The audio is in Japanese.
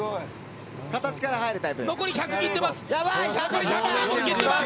残り１００切ってます！